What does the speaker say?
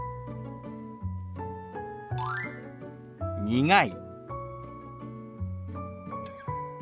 「苦い」。